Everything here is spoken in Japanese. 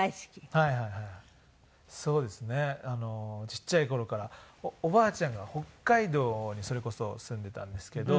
ちっちゃい頃からおばあちゃんが北海道にそれこそ住んでいたんですけど。